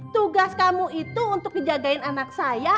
tugas kamu itu untuk dijagain anak saya